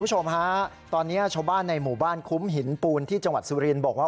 คุณผู้ชมฮะตอนนี้ชาวบ้านในหมู่บ้านคุ้มหินปูนที่จังหวัดสุรินบอกว่า